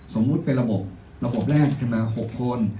สมมุติเป็นระบบระบบแรกใช่ไหม๖คน